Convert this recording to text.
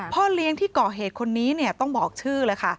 พ่อเลี้ยงที่ก่อเหตุคนนี้เนี่ยต้องบอกชื่อเลยค่ะ